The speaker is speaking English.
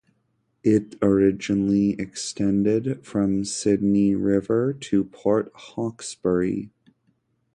It originally extended from Sydney River to Port Hawkesbury.